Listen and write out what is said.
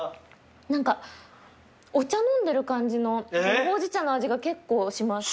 何かお茶飲んでる感じのほうじ茶の味が結構します。